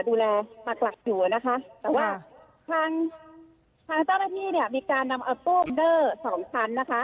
หลักหลักอยู่นะคะแต่ว่าทางทางเจ้าหน้าที่เนี่ยมีการนำเอาโต้มเดอร์สองชั้นนะคะ